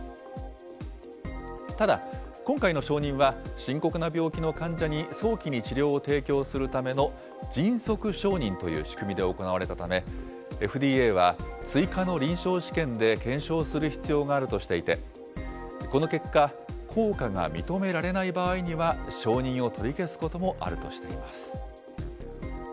ただ、今回の承認は深刻な病気の患者に早期に治療を提供するための迅速承認という仕組みで行われたため、ＦＤＡは追加の臨床試験で検証する必要があるとしていて、この結果、効果が認められない場合には承認を取り消すこともあるとしています。